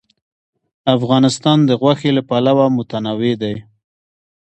افغانستان د غوښې له پلوه متنوع دی.